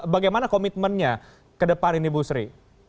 bagaimana komitmennya ke depan ini bu sri